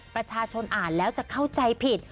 ประชาชนอ่านแล้วจะเข้าใจผิด